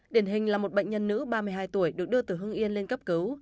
điển hình là một bệnh nhân nữ ba mươi hai tuổi được đưa từ hưng yên lên cấp cứu